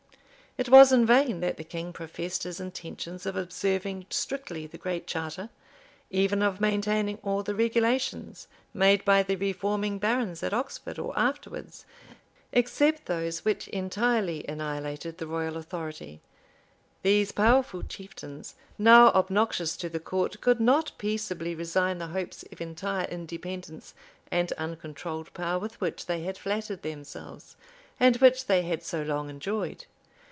It was in vain that the king professed his intentions of observing strictly the great charter, even of maintaining all the regulations made by the reforming barons at Oxford or afterwards, except those with entirely annihilated the royal authority; these powerful chieftains, now obnoxious to the court, could not peaceably resign the hopes of entire independence and uncontrolled power with which they had flattered themselves, and which they had so long enjoyed.